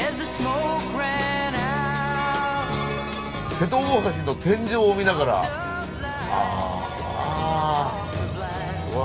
瀬戸大橋の天井を見ながらうわ！